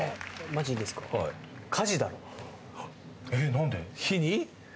何で？